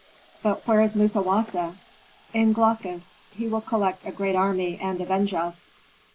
"But where is Musawasa?" "In Glaucus. He will collect a great army and avenge us."